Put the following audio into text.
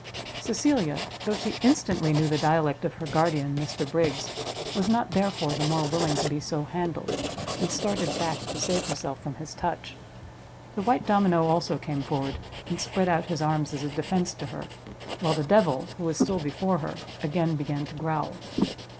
Cecilia, though she instantly knew the dialect of her guardian Mr Briggs, was not therefore the more willing to be so handled, and started back to save herself from his touch; the white domino also came forward, and spread out his arms as a defence to her, while the devil, who was still before her, again began to growl.